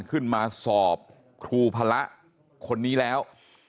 ขึ้นมาสอบครูพระคนนี้แล้ว